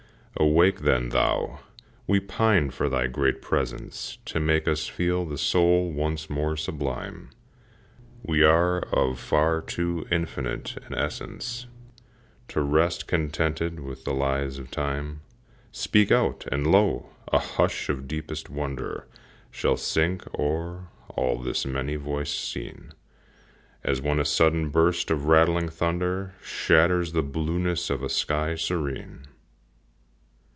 Awake, then, thou! we pine for thy great presence To make us feel the soul once more sublime, We are of far too infinite an essence To rest contented with the lies of Time. Speak out! and, lo! a hush of deepest wonder Shall sink o'er all this many voicèd scene, As when a sudden burst of rattling thunder Shatters the blueness of a sky serene.